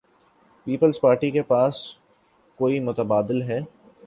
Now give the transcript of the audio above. Peoples Party کے پاس کو ئی متبادل ہے؟